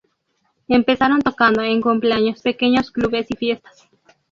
Empezaron tocando en cumpleaños, pequeños clubes y fiestas.